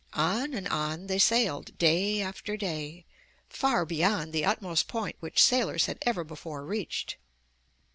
On and on they sailed, day after day — far beyond the utmost point which sailors had ever before reached.